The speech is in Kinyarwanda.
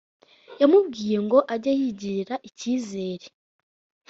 yamubwiye ngo ajye yigirira icyizere